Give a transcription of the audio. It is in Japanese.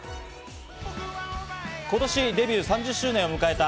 今年デビュー３０周年を迎えた